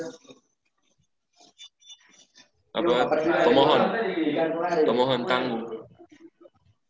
apa pemohon pemohon tangguh